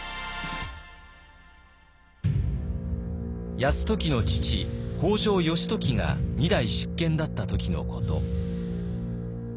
泰時の父北条義時が２代執権だった時のこと。